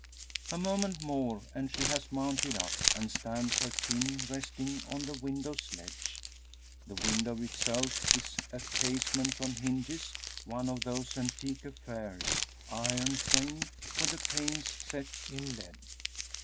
A moment more, and she has mounted up, and stands, her chin resting on the window's ledge. The window itself is a casement on hinges; one of those antique affairs, iron framed, with the panes set in lead.